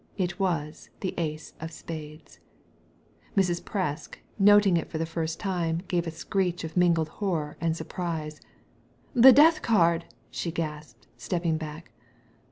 It was the ace of spades. Mrs. Presk noting it for the first time gave a screech of mingled horror and surprise. "The death card I •* she gasped, stepping back.